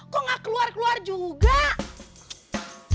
romlah dateng nih bawa sesuatu